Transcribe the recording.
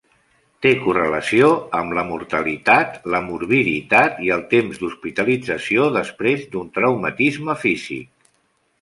Té correlació amb la mortalitat, la morbiditat i el temps d'hospitalització després d'un traumatisme físic.